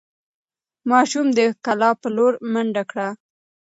ماشوم د کلا په لور منډه کړه.